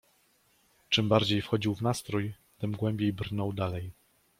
Czym bardziej wchodził w nastrój, tym głębiej brnął dalej.